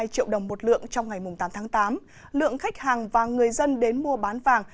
hai triệu đồng một lượng trong ngày tám tháng tám lượng khách hàng và người dân đến mua bán vàng